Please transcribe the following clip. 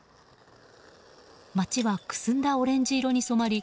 街はくすんだオレンジ色に染まり